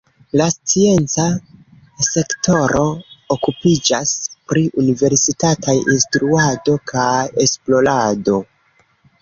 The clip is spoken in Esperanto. La scienca sektoro okupiĝas pri universitataj instruado kaj esplorado.